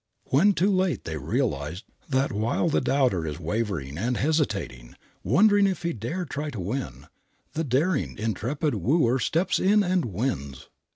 When too late they realized that while the doubter is wavering and hesitating, wondering if he dare try to win, the daring, intrepid wooer steps in and wins.